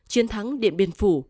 chiến thắng điện biên phủ